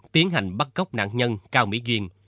tiến hành bắt góc nạn nhân cao mỹ duyên